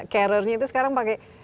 carer nya itu sekarang pakai